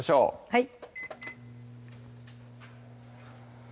はい